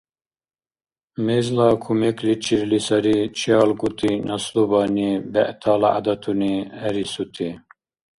Мезла кумекличирли сари чеалкӀути наслубани бегӀтала гӀядатуни гӀерисути.